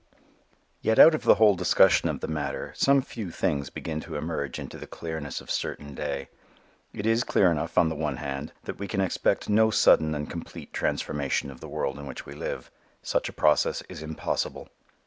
Yet out of the whole discussion of the matter some few things begin to merge into the clearness of certain day. It is clear enough on the one hand that we can expect no sudden and complete transformation of the world in which we live. Such a process is impossible.